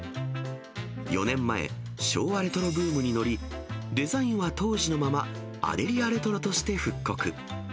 ４年前、昭和レトロブームに乗り、デザインは当時のまま、アデリアレトロとして復刻。